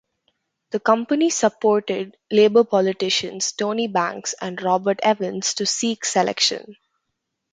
The company supported Labour politicians Tony Banks and Robert Evans to seek selection.